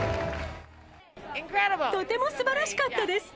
とてもすばらしかったです。